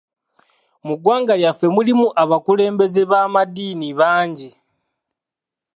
Mu ggwanga lyaffe mulimu abakulembeze b'amaddiini bangi.